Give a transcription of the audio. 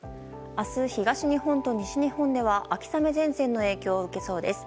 明日、東日本と西日本では秋雨前線の影響を受けそうです。